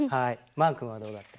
まーくんはどうだった？